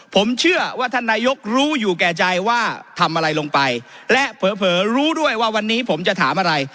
ผมเชื่อว่าท่านนายกรู้อยู่แก่ใจว่าทำอะไรลงไปและเผลอรู้ด้วยว่าวันนี้ผมจะถามอะไร